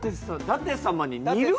舘様に似る？